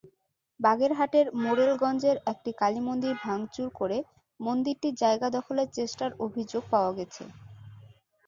বাগেরহাটের মোরেলগঞ্জের একটি কালীমন্দির ভাঙচুর করে মন্দিরটির জায়গা দখলের চেষ্টার অভিযোগ পাওয়া গেছে।